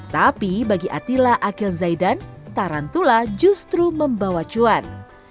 tapi bagi atila akil zaidan tarantula justru membawa cuan